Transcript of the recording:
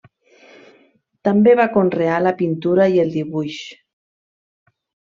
També va conrear la pintura i el dibuix.